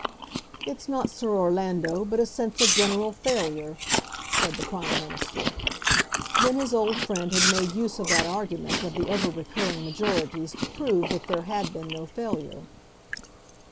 "It's not Sir Orlando, but a sense of general failure," said the Prime Minister. Then his old friend had made use of that argument of the ever recurring majorities to prove that there had been no failure.